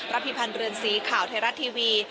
พิพันธ์เรือนสีข่าวไทยรัฐทีวี